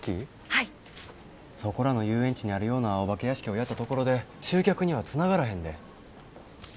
そこらの遊園地にあるようなお化け屋敷をやったところで集客にはつながらへんで。